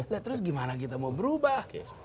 lihat terus bagaimana kita mau berubah